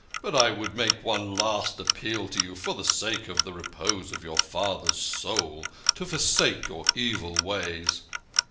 " But I would make one last appeal to you, for the sake of the repose of your father's soul, to forsake your evil ways."